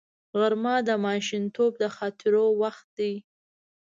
غرمه د ماشومتوب د خاطرو وخت دی